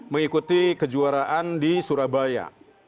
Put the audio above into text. mengikuti kejuaraan di surabaya